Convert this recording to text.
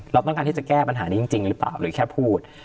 เราต้องการที่จะแก้ปัญหานี้จริงหรือเปล่าเลยแค่พูด